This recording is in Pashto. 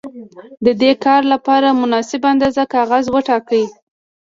د دې کار لپاره مناسبه اندازه کاغذ وټاکئ.